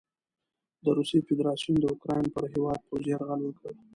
د روسیې فدراسیون د اوکراین پر هیواد پوځي یرغل وکړ.